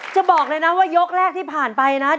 จะบอกเลยนะว่ายกแรกที่ผ่านไปนะ